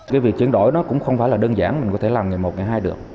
cái việc chiến đổi nó cũng không phải là đơn giản mình có thể làm nghề một hay hai được